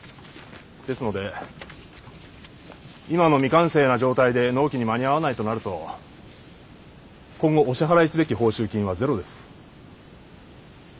ですので今の未完成な状態で納期に間に合わないとなると今後お支払いすべき報酬金はゼロです。